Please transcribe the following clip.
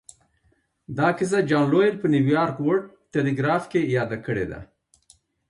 دا کيسه جان لويل په نيويارک ورلډ ټيليګراف کې ياده کړې ده.